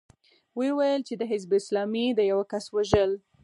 ويې ويل چې د حزب اسلامي د يوه کس وژل.